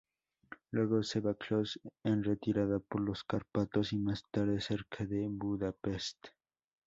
Luego se batió en retirada por los Cárpatos y más tarde, cerca de Budapest.